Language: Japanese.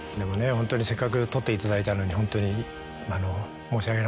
ホントにせっかく採っていただいたのにホントに申し訳ありませんでした。